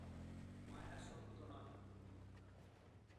মায়া সত্য নয়, মিথ্যা।